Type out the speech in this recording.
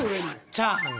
チャーハンが。